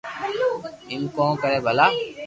ايم ڪون ڪري ڀلا